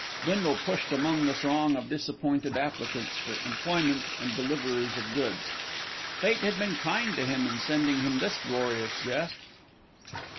Bindle pushed among the throng of disappointed applicants for employment and deliverers of goods. Fate had been kind to him in sending him this glorious jest.